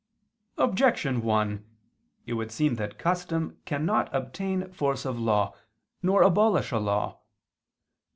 Objection 1: It would seem that custom cannot obtain force of law, nor abolish a law.